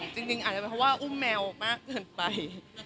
จริงอาจจะเป็นเพราะว่าอุ้มแมวมากเกินไป